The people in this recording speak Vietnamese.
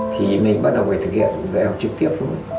thì mình bắt đầu phải thực hiện dạy học trực tiếp thôi